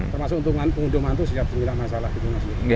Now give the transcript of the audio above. termasuk untungan pengundung mantu siap siap masalah di dunia